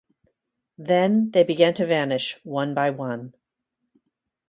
Then they began to vanish one by one.